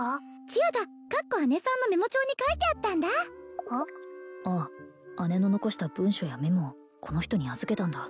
千代田さんのメモ帳に書いてあったんだああ姉の残した文書やメモをこの人に預けたんだ